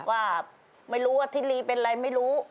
ว่าไม่รู้ว่าทิลีเป็นอะไรไม่รู้